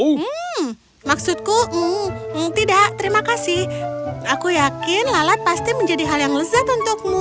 hmm maksudku tidak terima kasih aku yakin lalat pasti menjadi hal yang lezat untukmu